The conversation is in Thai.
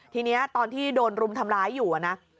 ทีนี้ตอนที่โดนรุมทำร้ายอยู่นะ